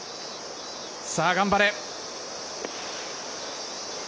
さあ、頑張れ！